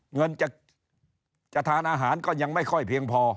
เงินจะทานอาหารก็ยังไม่ค่อยเพียงพอ